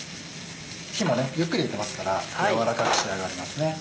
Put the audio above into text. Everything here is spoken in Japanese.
火もゆっくり入れてますから軟らかく仕上がりますね。